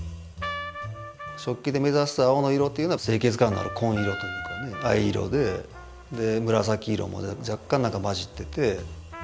食器で目指す青の色というのは清潔感のある紺色というかね藍色でで紫色も若干何か混じってて。